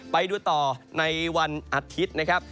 ไปดูต่อในวันอาทิตย์นะครับ